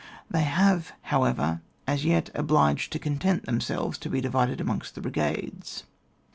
They have, however, as yet been obliged to content Ihemselves to be divided amongst the brigades.